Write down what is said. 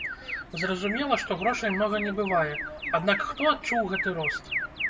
Зразумела, што грошай многа не бывае, аднак хто адчуў гэты рост?